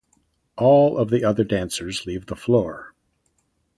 All of the other dancers leave the floor.